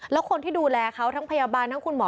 แล้วคนที่ดูแลเขาทั้งพยาบาลทั้งคุณหมอ